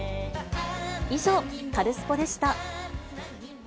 以上、カルスポっ！でした。